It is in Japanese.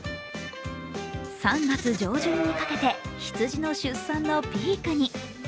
３月上旬にかけて羊の出産のピークに。